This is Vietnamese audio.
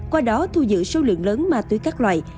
qua đó thu giữ số lượng lớn ma túy các loại